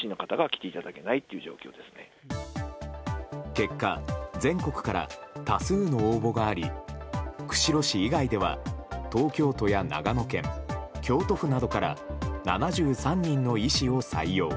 結果、全国から多数の応募があり釧路市以外では東京都や長野県、京都府などから７３人の医師を採用。